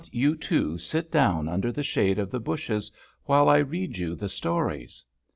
you, too, sit down under the shade of the bushes while I read you the stories ?